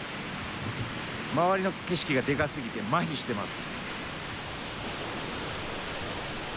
周りの景色がでかすぎてまひしてます。